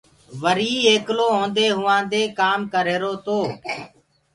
رويٚ ايڪلو هونٚدي هوآدي ڪآم ڪرريهرو تو